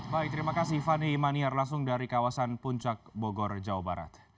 baik terima kasih fani imaniar langsung dari kawasan puncak bogor jawa barat